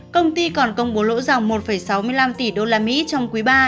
công ty còn công bố lỗ dòng một sáu mươi năm tỷ usd trong quý ba